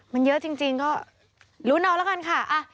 มันเยอะจริงก็ลุ้นเอาแล้วกันค่ะ